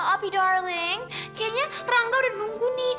opi darling kayaknya rangga udah nunggu nih